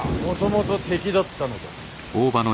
もともと敵だったのだ。